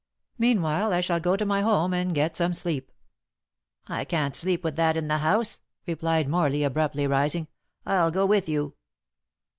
Meanwhile I shall go to my home and get some sleep." "I can't sleep with that in the house," replied Morley, abruptly rising; "I'll go with you."